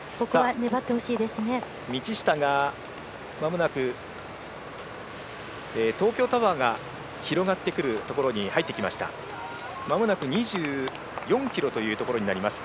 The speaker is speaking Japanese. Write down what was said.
道下が東京タワーが広がってくるところに入ってきました。